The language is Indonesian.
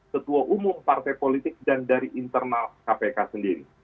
ketua umum partai politik dan dari internal kpk sendiri